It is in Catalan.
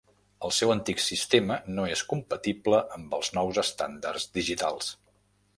El seu antic sistema no és compatible amb els nous estàndards digitals.